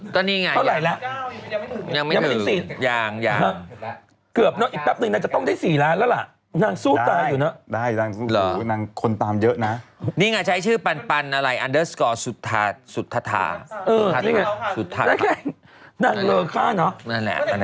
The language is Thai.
ตอนที่คนตามปัน๔ล้านอย่างนั้น